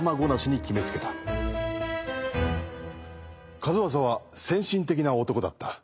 数正は先進的な男だった。